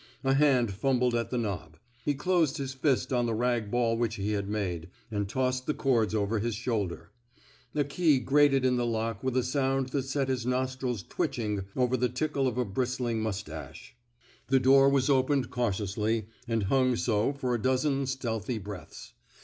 A hand fumbled at the knob; he closed his fist on the rag ball which he had made, and tossed the cords over his shoulder. A key grated in the lock with a sound that set his nostrils twitching over the tickle of a bris tling mustache. The door was opened cau tiously, and hung so for a dozen stealthy breaths.